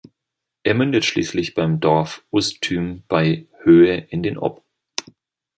Er mündet schließlich beim Dorf Ust-Tym bei Höhe in den Ob.